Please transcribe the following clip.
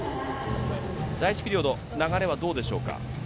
第１ピリオド、流れはどうでしょうか？